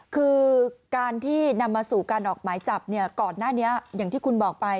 คือการที่นำมาสู่การออกหมายจับเนี่ยก่อนหน้านี้อย่างที่คุณบอกไป